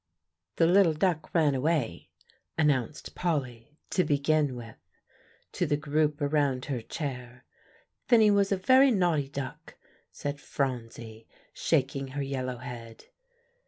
"The little duck ran away," announced Polly, "to begin with," to the group around her chair. "Then he was a very naughty duck," said Phronsie, shaking her yellow head.